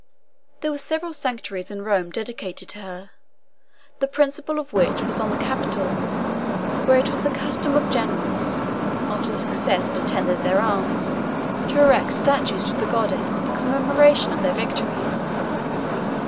There were several sanctuaries in Rome dedicated to her, the principal of which was on the Capitol, where it was the custom of generals, after success had attended their arms, to erect statues of the goddess in commemoration of their victories.